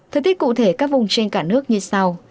thời tiết cụ thể các vùng trên cả nước như sau